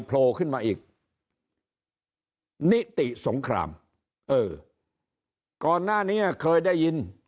โผล่ขึ้นมาอีกนิติสงครามเออก่อนหน้านี้เคยได้ยิน